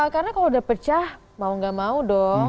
karena kalau udah pecah mau nggak mau dong